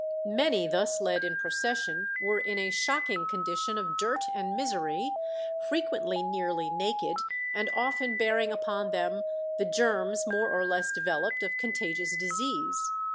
Many thus led in procession were in a shocking condition of dirt and misery, frequently nearly naked, and often bearing upon them the germs, more or less developed, of contagious disease.